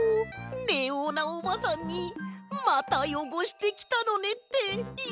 レオーナおばさんに「またよごしてきたのね」っていわれちゃうよ。